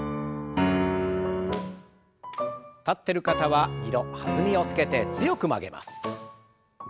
立ってる方は２度弾みをつけて強く曲げます。